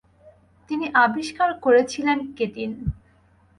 তিনি আবিষ্কার করেছিলেন কেটিন।